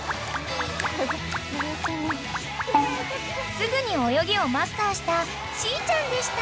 ［すぐに泳ぎをマスターしたしーちゃんでした］